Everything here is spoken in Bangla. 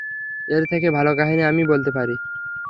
এর থেকে ভালো কাহিনী আমিই বলতে পারি।